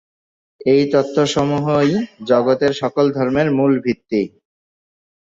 এই তথ্যসমূহই জগতের সকল ধর্মের মূল ভিত্তি।